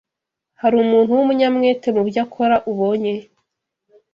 Hari umuntu w’umunyamwete mu byo akora ubonye?